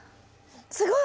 すごい！